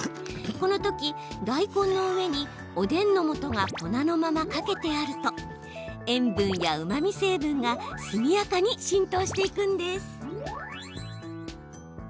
このとき大根の上におでんのもとが粉のままかけてあると塩分や、うまみ成分が速やかに浸透していくんです。